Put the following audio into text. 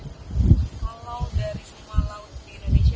kalau dari semua laut di indonesia